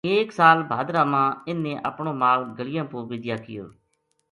ایک سال بھادرہ ما اِ ن نے اپنو مال گلیاں پو بِدیا کیو